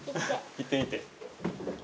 行ってみて。